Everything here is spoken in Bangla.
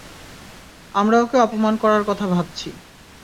আমরা ওকে অপমান করার কথা ভাবছি।